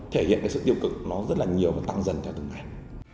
thể hiện cái sự tiêu cực nó rất là nhiều và tăng dần theo tương lai